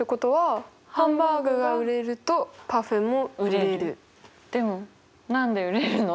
でもでも何で売れるの？